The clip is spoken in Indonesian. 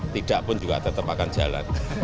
tidak pun juga tetap akan jalan